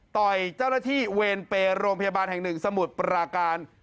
ต่อยเจ้าหน้าที่เวรเปย์โรงพยาบาลแห่งหนึ่งสมุทรปราการ